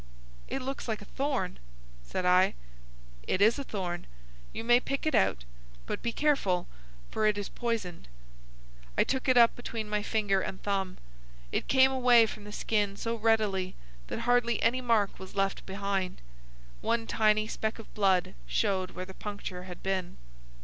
"It looks like a thorn," said I. "It is a thorn. You may pick it out. But be careful, for it is poisoned." I took it up between my finger and thumb. It came away from the skin so readily that hardly any mark was left behind. One tiny speck of blood showed where the puncture had been.